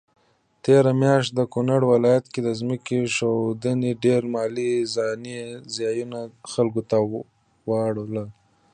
تيره مياشت د کونړ ولايت کي ځمکي ښویدني ډير مالي ځانی زيانونه خلکوته واړول